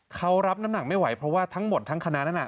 เขารับน้ำหนักไม่ไหวเพราะว่าทั้งหมดทั้งคณะนั้น